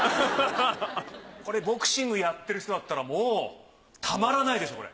これボクシングやってる人だったらもうたまらないでしょこれ。